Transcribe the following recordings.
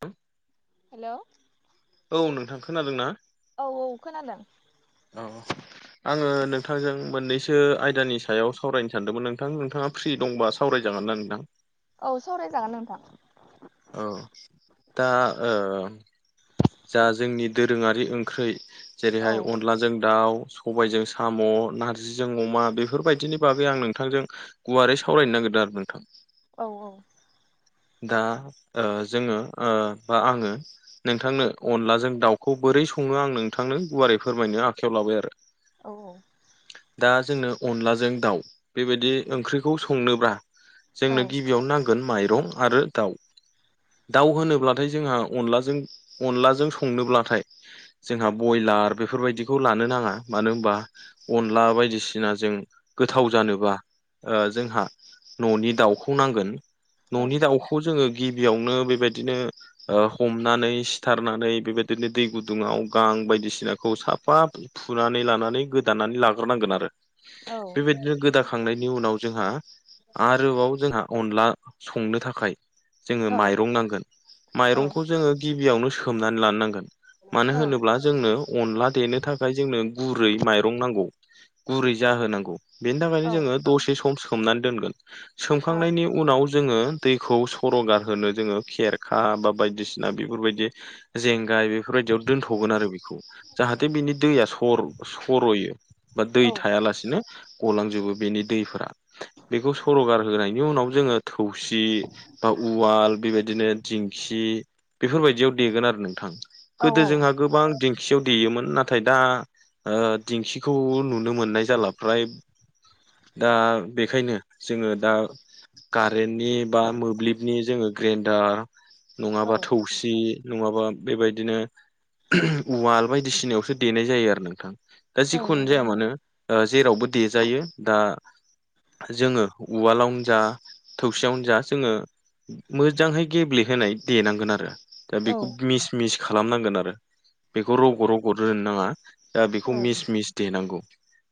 हा [unintelligible] हेल' औ- नोंथां खोनादों ना? औ- औ- खोनादों औ- औ आङो नोंथांजों मोननैसो आयदानि सायाव सावरायनो सानदोंमोन नोंथां नोंथाङा फ्रि दंबा सावरायजागोन ना नोंथां औ- सावरायजागोन नोंथां औ- दा ओ- जा जोंनि दोरोङारि ओंख्रि औ जेरैहाय अनलाजों दाउ। सबायजों साम' नारजिजों अमा बेफोरबायदिनि बागै आं नोंथांजों। गुवारै सावरायनो नागिरदों आरो नोंथां। औ- औ- दा ओ- जोङो ओ- बा आङो नोंथांनो अनलाजों दाउखौ बोरै सङो आं नोंथांनो गुवारै फोरमायनो आखायाव लाबाय आरो। औ औ। दा जोंनो अनलाजों दाउ बेबायदि ओंख्रिखौ संनोब्ला औ जोंनो गिबियाव नां गोन माइरं आरो दाउ दाउ होनोब्लाथाय जोंहा अनलाजों अनलाजों संनोब्लाथाय जोंहा बयलार बेफोरबायदिखौ लानो नाङा मानो होनबा अनला बायदिसिना जों गोथाव जानोबा ओ- जोंहा' न'नि दाउखौ नांगोन औ न'नि दाउखौ जोङो गिबियावनो बेबायदिनो ओ- हमनानै सिथारनानै बेबायदिनो दै गुदुङाव गां बायदिसिनाखौ साफा फुनानै लानानै गोदानानै लाग्रोनांगोन आरो बेबायदिनो गोदा खांनायनि उनाव जोंहा आरोबाव जोंहा अनला संनो थाखाय जोङो औ माइरं नांगोन औ अ माइरंखौ जोङो गिबियावनो सोमनानै लानो नांगोन। मानो औ होनोब्ला जोंनो अनला देनो थाखाय जोंनो गुरै माइरं नांगौ गुरै जाहोनांगौ। बेनि थाखायनो जोङो दसे सम सोमनानै दोनगोन सोमखांनायनि उनाव जोङो दैखौ सर'गारहोनो जोङो खेरखा बा बायदिसिना बेफोरबायदि जेंगाय बेफोरबायदियाव दोनथ'गोन आरो बेखौ जाहाथे बिनि दैया सर- सर'यो बा दै थायालासिनो गलांजोबो बेनि दैफोरा बेखौ सर'गार होनायनि उनाव जोङो थौसि बा उवाल बेबायदिनो दिंखि बेफोरबायदियाव देगोन आरो नोंथां। औ गोदो जोंहा गोबां दिंखियाव देयोमोन नाथाय दा ओ- दिंखिखौ नुनो मोननाय जाला फ्राय दा बेखायनो जोङो दा कारेन्टनि बा मोब्लिबनि जोङो ग्रेडार औ नङाबा थौसि नङाबा बेबायदिनो उवाल बायदिसिनायावसो देनाय जायो आरो नोंथां। दा औ जिखुननो नंगौ जाया नोंथां मानो। ओ- जेरावबो देजायो दा जोङो उवालावनो जा थौसियावनो जा जोङो मोजाङै गेब्लेहोनाय देनांगोन आरो। दा औ बेखौ मिस मिस खालामनांगोन आरो बेखौ रग' रग' दोननो नाङा। दा बेखौ औ मिस मिस देनांगौ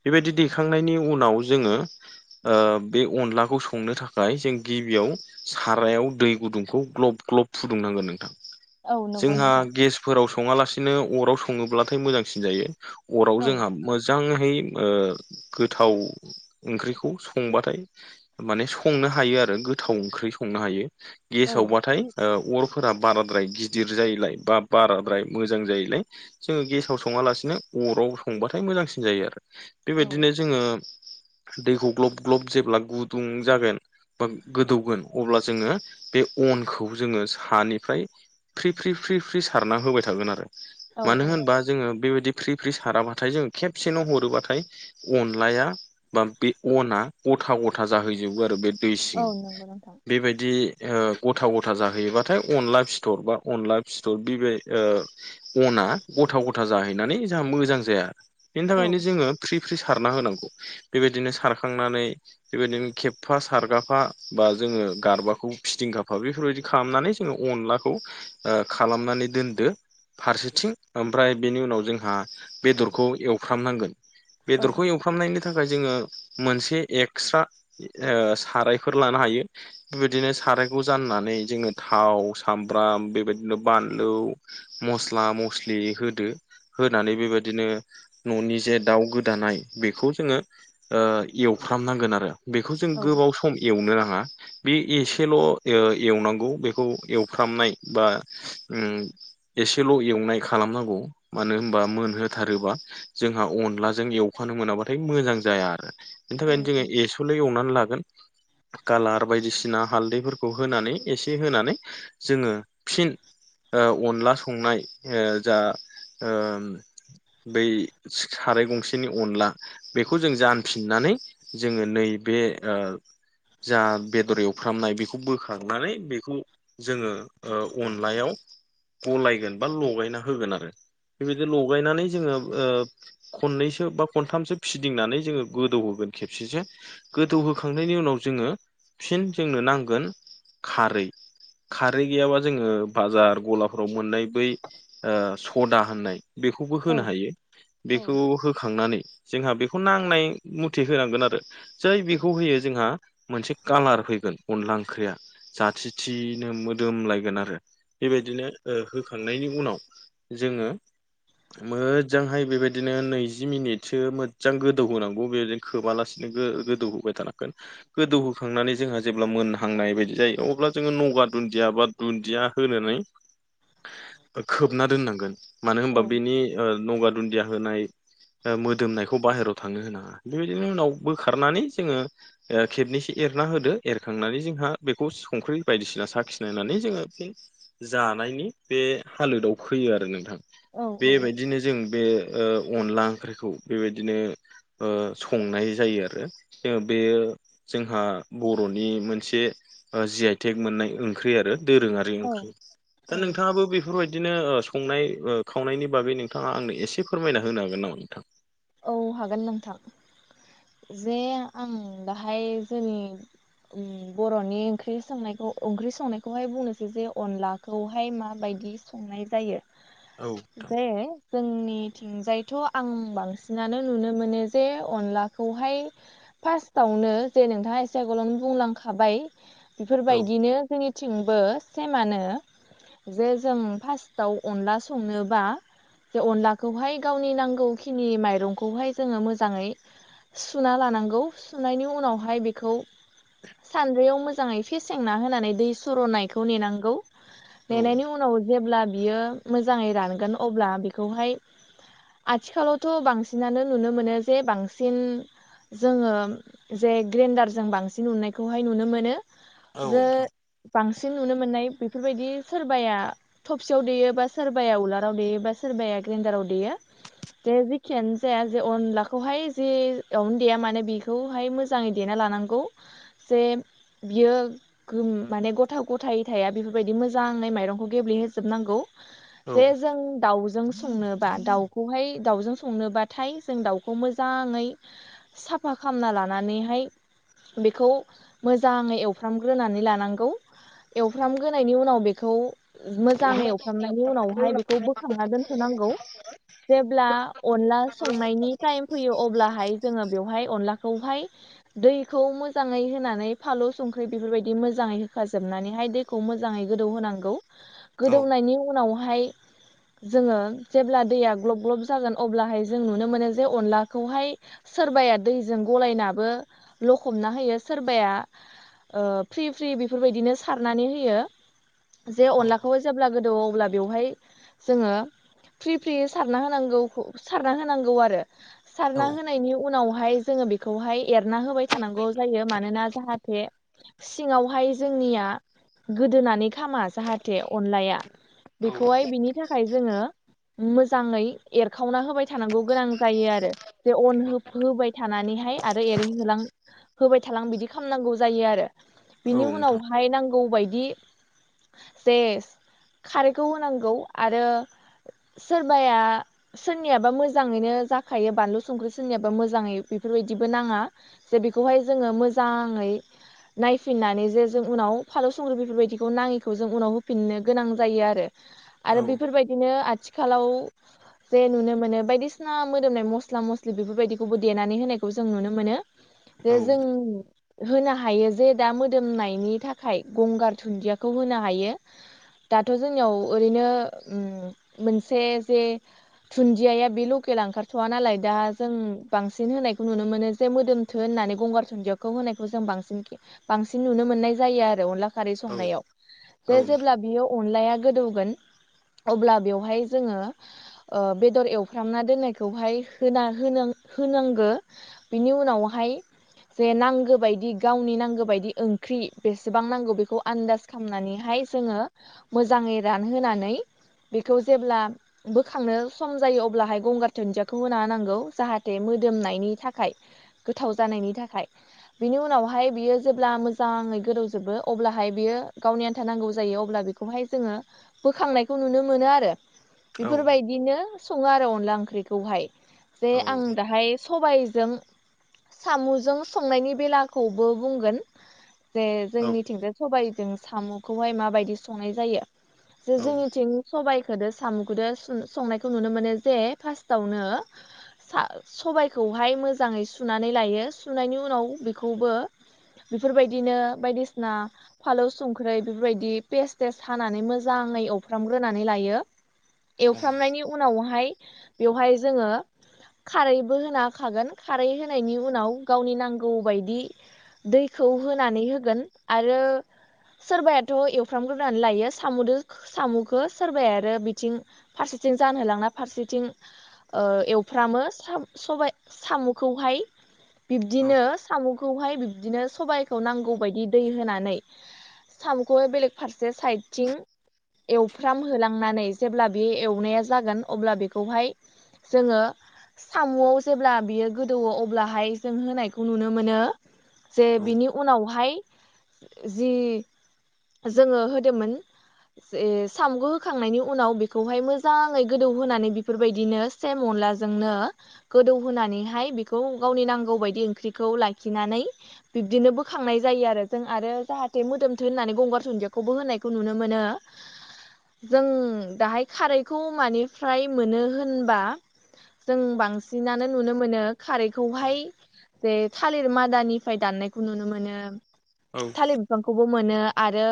बेबायदि दैखांनायनि उनाव जोङो ओ- बे अनलाखौ संनो थाखाय ओमफ्राय जों गिबियाव सारायाव दै गुदुंखौ ग्लब ग्लब फुदुंनांगोन नोंथां। औ नंगौ जोंहा नोंथां गेसफोराव सङालासिनो अराव सङोब्लाथाय मोजांसिन जायो। अराव औ जोंहा मोज जांहै ओ गोथाव ओंख्रिखौ संबाथाय माने स संनो हायो गोथाव ओंख्रि संनो हायो। गेसाव बाथाय औ अर फोर बाराद्राय गिदिर जायोलाय बा बाराद्राय मोजां जायोलाय जोङो गेसाव सङालासिनो अराव संबाथाय मोजांसिन जायो आरो। औ बेबायदिनो जोङो दैखौ ग्लब ग्लब जेब्ला गुदुं जागोन। बा गोदौगोन अब्ला जोङो बे अनखौ जोङो सानिफ्राय फ्रि फ्रि फ्रि फ्रि सारना होबाय थागोन आरो औ मानो औ होनबा। जोङो बेबायदि फ्रि फ्रि साराबाथाय जों खेबसेनो हरोबाथाय अनलाया बा बे अना गथा गथा जाहैजोबो आरो बे। दै औ सिङाव नंगौ नोंथां बेबाय दि ओ गथा गथा जाहैयोबाथाय अनला फिथर बा अनला फिथर बेबाय ओ अना गथा गथा जाहैनानै जोंहा मोजां जाया बेनि औ थाखायनो जोङो फ्रि फ्रि सारना होनांगौ। बेबायदिनो सारखांनानै बेबायदिनो खेफास सारगाफा बा जोङो गारबाखौ फिदिंगाफा बेफोरबायदि खालामनानै जोङो अनलाखौ ओ खालामनानै दोनदो। फारसेथिं ओमफ्राय बेनि उनाव जोंहा बेदरखौ एवफ्राम नांगोन। बेदरखौ एवफ्रामनायनि थाखाय जोङो मोनसे एक्स्रा ओ सारायफोर लानो हायो। बेबायदिनो सारायखौ जाननानै जोङो थाव, सामब्राम बेबायदिनो बानलु मस्ला, मस्लि होदो होनानै बेबायदिनो न'नि जे दाउ गोदानाय बेखौ जोङो ओ एवफ्रामनांगोन आरो। बेखौ जों औ गोबाव सम एवनो नाङा। बे एसेल' ओ एवनांगौ बेखौ एवफ्रामनाय बा उम एसेल' एवनाय खालामनांगौ। मानो होनबा मोनहोथारोबा जोंहा अनलाजों एवखानो मोनाब्लाथाय मोजां जाया आरो। बेनि औ थाखायनो औ जोङो एसेल' एवनानै लागोन। कालार बायदिसिना हालदैफोरखौ होनानै एसे होनानै जोङो फिन ओ अनला संनाय ओ जा ओ बै साराय गंसेनि अनला बेखौ जों जानफिननानै जोङो नैबे ओ जा बेदर एवफ्रामनाय बेखौ बोखांनानै बेखौ जोङो ओ अनलायाव गलायगोन बा लगायना होगोन आरो। बेबायदि लगायनानै जोङो ओ खननैसो बा खनथामसो फिदिंनानै जोङो गोदौहोगोन खेबसेसो। गोदौ होखांनायनि उनाव जोङो फिन जोंनो नांगोन खारै। खारै गैयाबा जोङो बाजार गलाफ्राव मोननाय बै ओ सदा होननाय बेखौबो होनो हायो। बेखौ होखांनानै जोंहा बेखौ नांनाय मथे होनांगोन आरो। जाय बेखौ होयो जोंहा मोनसे कालार फैगोन अनला ओंख्रिया जाथि थिनो मोदोमलायगोन आरो। बेबायदिनो ओ होखांनायनि उनाव जोङो मोजांहाय बेबायदिनो नैजि मिनिटसो मोजां गोदौ होनोनांगौ बेदे खोबालासिनो गो गोदौहोबाय थानांगोन। गोदौहोखांनानै जोंहा जेब्ला मोनहांनाय बायदि जायो। अब्ला जोङो नगा दुन्दिया बा दुन्दिया होनानै ओ खोबना दोननांगोन। मानो होनोमबा बेनि ओ नगा दुन्दिया होनाय ओ मोदोमनायखौ बाहेरायाव थांनो होनाङा। बेबायदिनो उनाव बोखारनानै जोङो ओ खेबनैसो एरना होदो एरखांनानै जोंहा बेखौ संख्रि बायदिसिना साखिनायनानै जोङो फिन जानायनि बे हालोदाव फैयो आरो नोंथां। औ बेबायदिनो जों बे ओ अनला ओंख्रिखौ बेबायदिनो ओ संनाय जायो आरो जों बेयो जोंहा बर'नि मोनसे जिआइटेग मोननाय ओंख्रि आरो दोरोङा दै औ ओंख्रि दा‌ औ नोंथाङाबो बे बेफोरबायदिनो ओ संनाय ओ खावनायनि बागै नोंथाङा आंनो एसे फोरमायना होनो हागोन नामा नोंथां औ हागोन नोंथां जे आं दाहाय जोंनि उम बर'नि ओंख्रि संनायखौ ओंख्रि संनायखौहाय बुंनोसै जे अनला खौहाय माबायदि संनाय जायो? औ जे नोंथां जोंनिथिंजायथ' आं बांसि नानो नुनो मोनो जे अनलाखौहाय फार्स्टावनो जे नोंथाङा एसे आगोलावनो बुंलांखाबाय बेफोरबायदिनो जोंनिथिंबो सेमानो जे जों फार्स्टाव अनला संनोबा जे अनलाखौहाय गावनि नांगौ खिनि माइ रंखौहाय जोङो मोजाङै सुना लानांगौ सुनायनि उनावहाय बेखौ सान्द्रियाव मोजाङै फेसेेंना होनानै दै सुरनायखौ नेनांगौ औ ननायनि उनाव जेब्ला बियो मोजाङै रानगोन अब्ला बेखौहाय आथिखालावथ' बांसि नानो नुनो मोनो जे बांसिन जोङो जे ग्रेन्डार जों बांसिन उनायखौहाय नुनो मोनो औ जो नोंथां बांसिन नुनो मोननाय बेफोरबायदि सोरबाया थबसियाव देयो बा सोरबाया उलाराव देयो बा सोरबाया ग्रेडाराव देयो दे जेखिया नो जाया जे अनलाखौहाय जेयावनो देया मानो बेखौहाय मोजाङै देना लानांगौ जे बियो माने गथ' गथाय थाया बेफोरबायदि मोजाङै माइरंखौ गेब्लेहोजोबनांगौ औ जे जों दाउजों संनोबा दाउखौहाय दाउजों संनोबा थाय जों दाउखौ मोजाङै साफा खालामना लानानैहाय बेखौ मोजाङै एवफ्रामग्रोनानै लानांगौ। एवफ्रामग्रोनायनि उनाव बेखौ मोजाङै एवफ्रामनायनि उनावहाय बेखौ बोखांना दोनथ' नांगौ जेब्ला अनला संनायनि टाइम फैयो अब्लाहाय जोङो बेवहाय अनलाखौहाय दैखौ मोजाङै होनानै फालौ संख्रि बेफोरबायदि मोजाङै होखाजोबनानैहाय दै खौ मोजाङै गोदौ होनांगौ [inaudible] गोदौनायनि उनावहाय जोङो जेब्ला दैया ग्लब ग्लब जागोन अब्लाहाय जों नुनो मोनो जे अनलाखौहाय सोरबाया दैजों गलायनाबो लखबना होयो सोरबाया ओ फ्रि फ्रि बेफोरबायदिनो सारनानै होयो जे अनलाखौबो जेब्ला गोदौवो अब्ला बेवहाय जोङो फ्रि फ्रि सारना होनांगौ सारना होनांगौ आरो सारना होन नायनि उनावहाय जोङो बेखौहाय एरना होबाय थानांगौ जायो मानोना जाहाथे सिङावहाय जोंनिया गोदोनानै खामा जाहाथे अनलाया बेखौहाय बिनि थाखाय जोङो मोजाङै एरखावना हो बाय थानांगौ गोनां जायो आरो जे अन हो होबाय थानानैहाय आरो एरै होलां होबाय थालां बिदि खालामनांगौ जायो आरो बिनि नोंथां उनावहाय नांगौबायदि जे खारैखौ होनांगौ आरो सोरबाया सोरनियाबा मोजाङैनो जाखायो बानलु संख्रि सोरनियाबा मोजाङै बेफोरबायदिबो नाङा जे बेखौहाय जोङो मोजाङै नायफिननानै जे जों उनाव फालौ संख्रि बेफोरबायदिखौ नाङिखौ जों उनाव होफिननो गोनां जायो आरो [inaudible] आरो बेफोरबायदिनो आथिखालाव जे नुनो मोनो बायदिसिना मोदोमनाय मस्ला मस्लि बेफोरबायदिखौबो देनानै होनायखौ जों नुनो मोनो। दा जों होनो हायो जे दा मोदोमनायनि थाखाय गंगार दुन्दियाखौ होनो हायो। दाथ' जोंनियाव ओरैनो उम मोनसे जे दुन्दियाया बे लकेल ओंखारथ'वा नालाय दा जों बांसिन होनायखौ नुनो मोनो जे मोदोम थो होननानै गंगार धुनदिखौ होनायखौ जों बांसिन के बांसिन नुनो मोननाय जायो आरो अनला खारै संनायाव जे जेब्ला बियो अनलाया गोदौगोन अब्ला बेवहाय जोङो ओ बेदर एवफ्रामना दोननायखौहाय होना-होन-होनांगो बिनि उनावहाय जे नांगो बायदि गावनि नांगो बायदि ओंख्रि बेसेबां नांगौ बेखौ आन्दाज खामनानैहाय जोङो मोजाङै रानहोनानै बेखौ जेब्ला बोखांनो सम जायो अब्लाहाय गंगार दुुनदियाखौ होना होनांगौ जाहाथे मोदोमनायनि थाखाय। गोथाव जानायनि थाखाय। बिनि उनावहाय बियो जेब्ला मोजाङै गोदौजोबो अब्लाहाय बियो गावनि आन्था नांगौ जायो अब्ला बि खौहाय जोङो बोखांनायखौ नुनो मोनो आरो। बेफोरबायदिनो सङो आरो अनला ओंख्रिखौहाय जे आं दाहाय सबायजों सामचजों संनायनि बेलाखौबो बुंगोन। जे जोंनिथिंजाय सबाइजों साम'खौहाय माबायदि संनाय जायो जे जोंनिथिं सबाइखौजों सामुखौदो संनायखौ नुनो मोनो जे फार्स्टावनो सा-सबायखौहाय मोजाङै सुनानै लायो सुनायनि उनाव बेखौबो बेफोरबायदिनो बायदिसिना फालौ सुंख्रै बेफोरबायदि पेस्टेस्ट हानानै मोजाङै एवफ्रामग्रोनानै लायो एवफ्रामनायनि उनावहाय बेवहाय जोङो खारैबो होना होखागोन खारै होनायनि उनाव गावनि नांगौबायदि दैखौ होनानै होगोन आरो। सोरबायाथ' एवफ्रामग्रोनानै लायो साम'-साम'खौ सोरबाया आरो थिं फारसेथिं जानहोलांना फारसेथिं ओ एवफ्रामो सबाय साम'खौहाय बिब्दिनो साम'खौहाय बिब्दिनो सबायखौ नांगौबायदि दै होनानै साम'खौ बेलेग फारसे साइडथिं एवफ्रामहोलांनानै जेब्ला बे एवनाया जागोन अब्ला बेखौहाय जोङो साम'आव जेब्ला बियो गोदौवो अब्लाहाय जों होनायखौ नुनो मोनो। जे बिनि उनावहाय जि जोङो होदोंमोन ओ ज सामखो होखांनायनि उ उनाव बेखौहाय मोजाङै गोदौहोनानै बेफोरबायदिनो सेम अनलाजोंनो गोदौहोनानैहाय बेखौ गावनि नांगौबायदि ओंख्रिखौ लाखिनानै बिब्दिनो बोखांनाय जायो आरो जों आरो जाहाथे मोदोमथो होननानै गंगार दुन्दियाखौबो होनायखौ नुनो मोनो। [inaudible] जों दाहाय खारैखौ मानिफ्राय मोनो होनबा जों बांसिन सिनानो नुनो मोनो खारैखौहाय जे थालिर मादानिफ्राय दाननायखौ नुनो मोनो थालिर बिफांखौबो मोनो आरो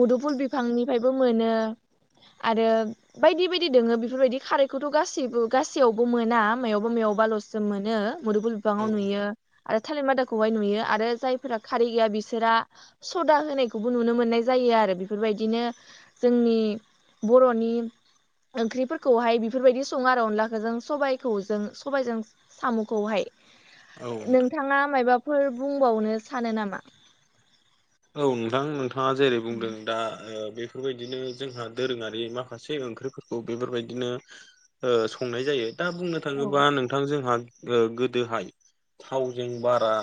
मुदुफुल बिफांनिफ्रायबो मोनो। आरो बायदि बायदि दोङो बेफोरबायदि खारैखौथ' गासैबो गासैयावबो मोना मायावबा मायावबाल'स जों मोनो मुदुफुल बिफाङाव नुयो। आरो थालिर मादाखौहाय नुयो आरो जायफोरा खारै गैया बिसोरा सदा होनायखौबो नुनो मोननाय जायो आरो बेफोरबायदिनो जोंनि बर'नि ओंख्रिफोरखौहाय बेफोरबायदि सङो आरो अनलाखौ जों सबाइखौ जों सबबायजों साम'खौहाय नोंथां नोंथाङा मायाबाफोर बुंबावनो सानो नामा औ नोंथां नोंथाङा जेरै बुंदों दा बे बेफोरबायदिनो जोंहा दोरोङारि माखासे ओंख्रिफोरखौ बेफोरबायदिनो ओ संनाय जायो दा बुंनो औ थाङोबा नोंथां जोंहा ओ गोदोहाय थावजों बारा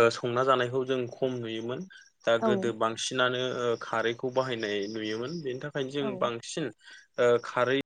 ओ संना जानायखौ जों खम नुयोमोन दा गोदो बांसिनानो खारैखौ बाहायनाय नुयोमोन बेनि थाखायनो जों औ बांसिन खारै